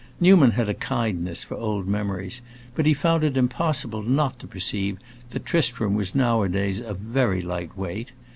Newman had a kindness for old memories, but he found it impossible not to perceive that Tristram was nowadays a very light weight.